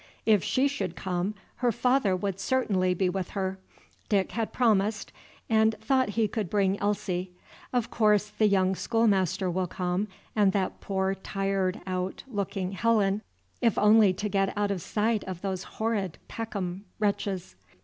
If she should come, her father would certainly be with her. Dick had promised, and thought he could bring Elsie. Of course the young schoolmaster will come, and that poor tired out looking Helen, if only to get out of sight of those horrid Peckham wretches.